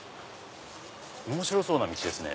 面白そうな道ですね